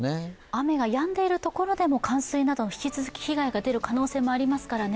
雨がやんでいるところでも冠水など引き続き被害がでる可能性がありますからね。